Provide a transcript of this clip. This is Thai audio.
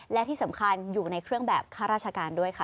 และที่สำคัญอยู่ในเครื่องแบบข้าราชการด้วยค่ะ